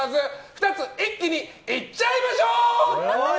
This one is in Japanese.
２つ一気に行っちゃいましょう！